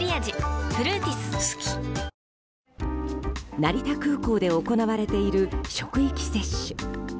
成田空港で行われている職域接種。